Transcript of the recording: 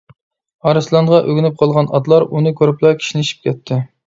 ئارسلانغا ئۆگىنىپ قالغان ئاتلار ئۇنى كۆرۈپلا كىشنىشىپ كەتتى.